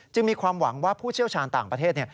มีความหวังว่าผู้เชี่ยวชาญต่างประเทศ